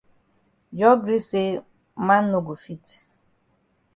Jos gree say man no go fit.